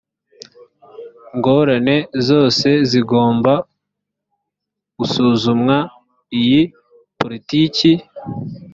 ingorane zose zigomba gusuzumwa iyi politiki